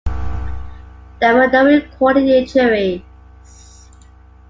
There were no recorded injuries.